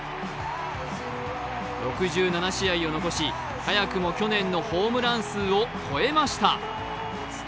６７試合を残し、早くも去年のホームラン数を超えました。